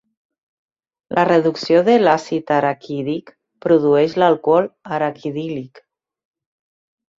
La reducció de l'àcid araquídic produeix l'alcohol araquidílic.